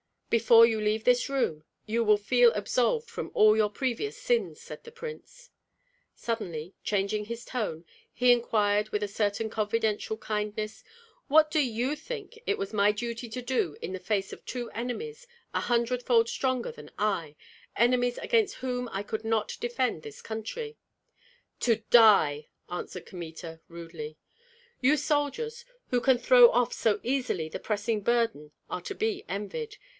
"Before you leave this room, you will feel absolved from all your previous sins," said the prince. Suddenly, changing his tone, he inquired with a certain confidential kindness, "What do you think it was my duty to do in the face of two enemies, a hundred fold stronger than I, enemies against whom I could not defend this country?" "To die!" answered Kmita, rudely. "You soldiers, who can throw off so easily the pressing burden are to be envied.